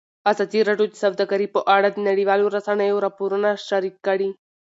ازادي راډیو د سوداګري په اړه د نړیوالو رسنیو راپورونه شریک کړي.